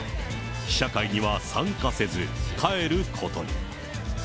試写会には参加せず、帰ることに。